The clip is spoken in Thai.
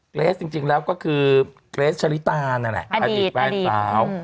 เกรสจริงแล้วก็คือเกรสชะลิตาอดีตแวนสาว